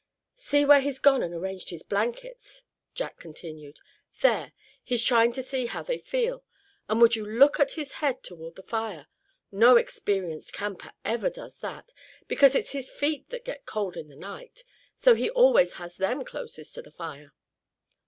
"See where he's gone and arranged his blankets," Jack continued. "There, he's trying to see how they feel; and would you look at his head toward the fire. No experienced camper ever does that, because it's his feet that get cold in the night, so he always has them closest to the fire."